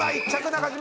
中島！